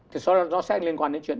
thì sau đó nó sẽ liên quan đến